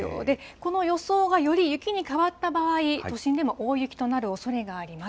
この予想がより雪に変わった場合、都心でも大雪となるおそれがあります。